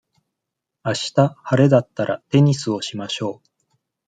あした晴れだったら、テニスをしましょう。